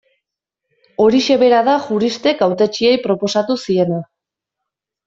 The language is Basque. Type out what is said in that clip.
Horixe bera da juristek hautetsiei proposatu ziena.